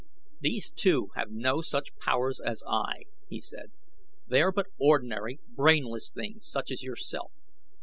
"These two have no such powers as I," he said. "They are but ordinary, brainless things such as yourself.